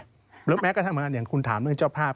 หรือแม้กระทั่งเหมือนกันอย่างคุณถามเรื่องเจ้าภาพ